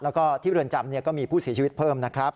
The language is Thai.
แล้วก็ที่เรือนจำก็มีผู้เสียชีวิตเพิ่มนะครับ